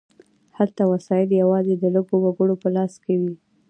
هلته وسایل یوازې د لږو وګړو په لاس کې وي.